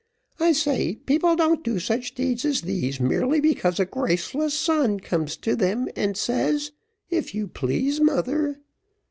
I say, people don't do such deeds as these, merely because a graceless son comes to them, and says, 'if you please, mother.'